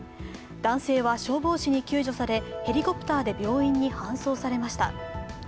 男性は消防士に救助され、ヘリコプターで病院に搬送されました。